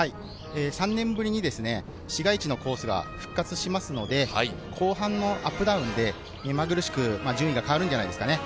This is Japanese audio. ３年ぶりに市街地のコースが復活しますので、後半のアップダウンで目まぐるしく順位が変わるんじゃないですかね。